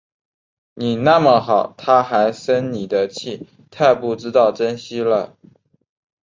你那么好，她还生你的气，太不知道珍惜了